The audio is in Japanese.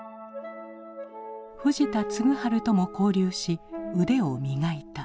藤田嗣治とも交流し腕を磨いた。